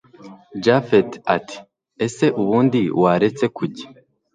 japhet ati ese ubundi waretse kujya